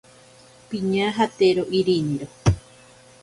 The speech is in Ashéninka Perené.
Piñajatero iriniro.